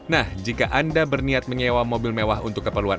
nah jika anda berniat menyewa mobil mewah untuk keperluan